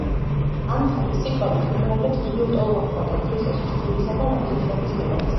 ამ ქალის სიტყვებით, რომაელებს დიდი ლტოლვა ჰქონდათ ქრისტეს რჯულისა და ნათლისღების მიმართ.